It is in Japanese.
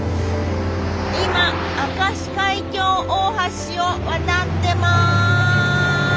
今明石海峡大橋を渡ってます！